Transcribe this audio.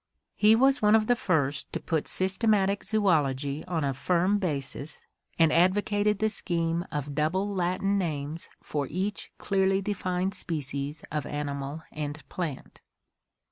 He was one of the first to put systematic zoology on a firm basis and advocated the scheme of double Latin names for each clearly defined species of animal and plant.